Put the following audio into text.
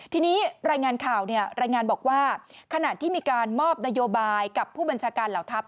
ทีนี้รายงานข่าวรายงานบอกว่าขณะที่มีการมอบนโยบายกับผู้บัญชาการเหล่าทัพ